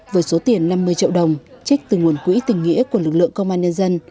với số tiền năm mươi triệu đồng trích từ nguồn quỹ tình nghĩa của lực lượng công an nhân dân